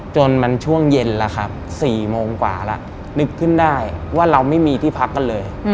จนมันช่วงเย็นแล้วครับ๔โมงกว่าแล้วนึกขึ้นได้ว่าเราไม่มีที่พักกันเลย